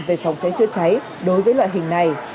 về phòng cháy chữa cháy đối với loại hình này